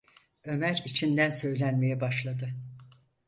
Ömer içinden söylenmeye başladı: